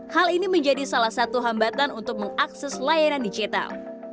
hal ini menjadi salah satu hambatan untuk mengakses layanan digital